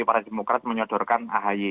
para demokrat menyodorkan ahy